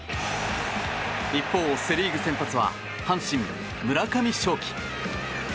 一方、セ・リーグ先発は阪神、村上頌樹。